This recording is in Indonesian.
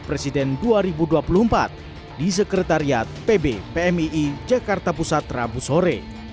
presiden dua ribu dua puluh empat di sekretariat pb pmii jakarta pusat rabu sore